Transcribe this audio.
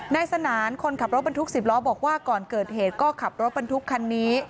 นายสนานคนขับรถบรรทุก๑๐ล้อบอกว่าก่อนเกิดเหตุก็ขับรถบรรทุกคันนี้